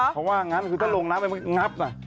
เพราะว่างั้นถ้าลงน้ำมันมันกัด